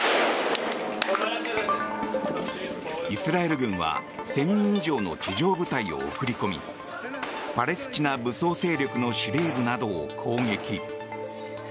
イスラエル軍は１０００人以上の地上部隊を送り込みパレスチナ武装勢力の司令部などを攻撃。